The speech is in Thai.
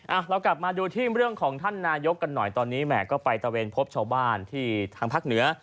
เรากลับมาดูที่เรื่องของท่านนายกกันหน่อยตอนนี้แหมก็ไปตะเวนพบชาวบ้านที่ทางภาคเหนือ